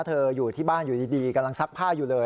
อยู่ที่บ้านอยู่ดีกำลังซักผ้าอยู่เลย